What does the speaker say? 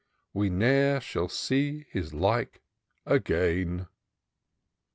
We ne'er shall aee Us like i^ain.